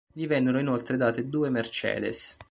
Gli vennero inoltre date due Mercedes.